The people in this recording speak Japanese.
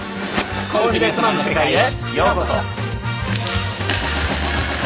コンフィデンスマンの世界へようこそ。